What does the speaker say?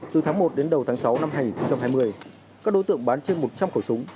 từ tháng một đến đầu tháng sáu năm hai nghìn hai mươi các đối tượng bán trên một trăm linh khẩu súng